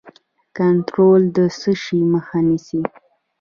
کنټرول د څه شي مخه نیسي؟